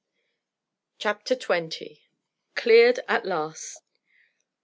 CHAPTER XX. CLEARED AT LAST.